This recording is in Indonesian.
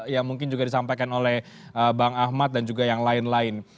yang mungkin juga disampaikan oleh bang ahmad dan juga yang lain lain